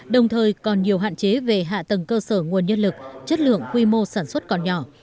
đồng thời còn nhiều hạn chế về hạ tầng cơ sở nguồn nhân lực chất lượng quy mô sản xuất còn nhỏ